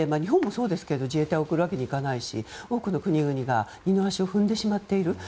かといって日本もそうですが自衛隊を送るわけにもいかないし多くの国々は二の足を踏んでしまっている。